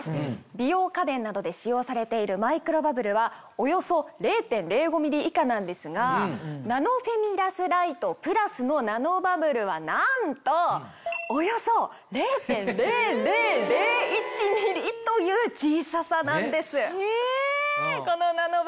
美容家電などで使用されているマイクロバブルはおよそ０．０５ｍｍ以下なんですがナノフェミラスライトプラスのナノバブルはなんとおよそ０．０００１ｍｍという小ささなんです。